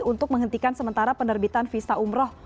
untuk menghentikan sementara penerbitan visa umroh